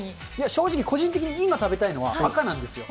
正直、個人的に今食べたいのは赤なんですよ。